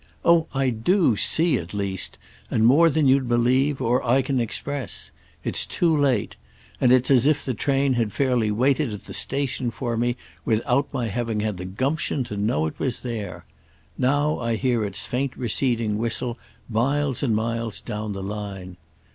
Oh I do see, at least; and more than you'd believe or I can express. It's too late. And it's as if the train had fairly waited at the station for me without my having had the gumption to know it was there. Now I hear its faint receding whistle miles and miles down the line.